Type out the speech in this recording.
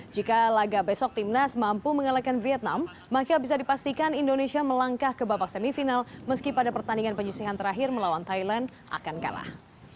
jika laga besok timnas mampu mengalahkan vietnam maka bisa dipastikan indonesia melangkah ke babak semifinal meski pada pertandingan penyusihan terakhir melawan thailand akan kalah